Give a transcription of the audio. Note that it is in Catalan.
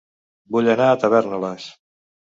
Vull anar a Tavèrnoles